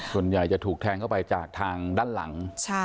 ส่วนใหญ่จะถูกแทงเข้าไปจากทางด้านหลัง